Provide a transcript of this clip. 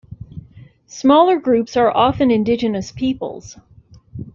Smaller groups are often indigenous peoples.